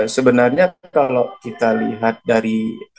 sebenarnya kalau kita lihat dari